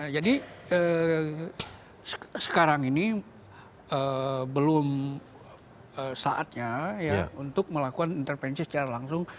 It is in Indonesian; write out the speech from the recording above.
jadi sekarang ini belum saatnya untuk melakukan intervensi secara langsung